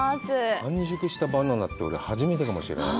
完熟したバナナって、俺、初めてかもしれない。